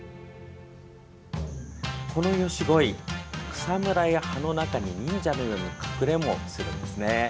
このヨシゴイ、草むらや葉の中に忍者のように隠れもするんです。